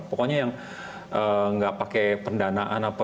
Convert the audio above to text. pokoknya yang nggak pakai pendanaan apa